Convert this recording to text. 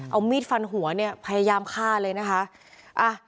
เอามีดฟันหัวเนี่ยพยายามฆ่าเลยนะคะ